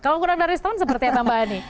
kalau kurang dari setahun seperti apa mbak ani